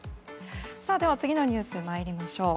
では次のニュース参りましょう。